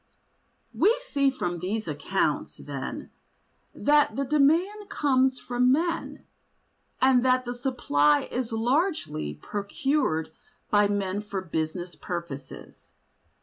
We see from these accounts, then, that the demand comes from men, and that the supply is largely procured by men for business purposes.